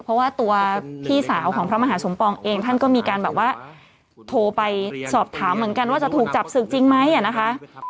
เพราะว่าตัวพี่สาวของพระมหาสมปองเองท่านก็มีการแบบว่าโทรไปสอบถามเหมือนกันว่าจะถูกจับศึกจริงไหมนะคะ